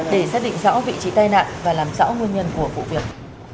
để xác định rõ vị trí tai nạn và làm rõ nguyên nhân của vụ việc